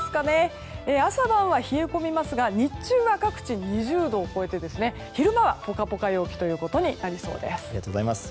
朝晩は冷え込みますが日中は各地２０度を超えて昼間はポカポカ陽気です。